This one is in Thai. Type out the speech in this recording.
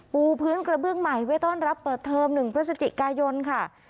ปูพื้นกระเบื้องใหม่ไว้ต้อนรับเปิดเทอม๑พฤศจิกายนค่ะ